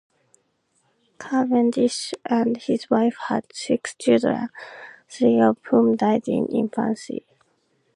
Cavendish and his wife had six children, three of whom died in infancy.